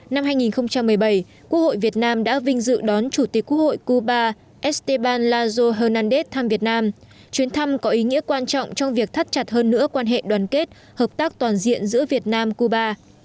năm hai nghìn một mươi bảy quốc hội việt nam đã vinh dự đón chủ tịch quốc hội cuba esteban lazo herandez thăm việt nam chuyến thăm có ý nghĩa quan trọng trong việc thắt chặt hơn nữa quan hệ đoàn kết hợp tác toàn diện giữa việt nam cuba